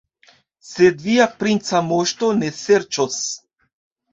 Sed via princa moŝto ne serĉos.